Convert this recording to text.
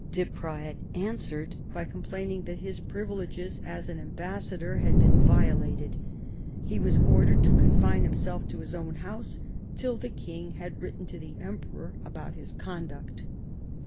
De Praet answered by complaining that his privileges as an ambassador had vn RENEWAL OF PEACE 109 been violated. He was ordered to confine himself to his own house tiU the king had written to the Emperor about his conduct.